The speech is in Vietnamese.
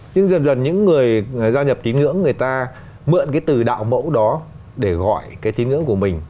nhưng dần dần những người giao nhập tín ngưỡng người ta mượn cái từ đạo mẫu đó để gọi cái tín ngưỡng của mình